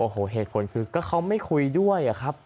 เหตุผลคือเขาไม่คุยด้วย